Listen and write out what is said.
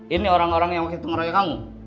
ini orang orang yang menghitung rakyat kamu